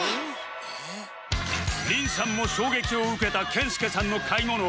凛さんも衝撃を受けた健介さんの買い物